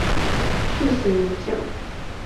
士行如将。